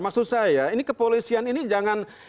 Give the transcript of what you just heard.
maksud saya ini kepolisian ini jangan